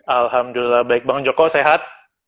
alhamdulillah baik bang joko sehat